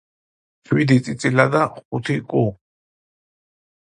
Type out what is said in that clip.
შვიდი წიწილა და ხუთი კუ.